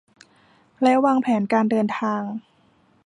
และวางแผนการเดินทาง